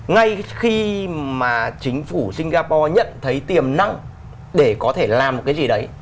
ngay khi mà chính phủ singapore nhận thấy tiềm năng để có thể làm một cái gì đấy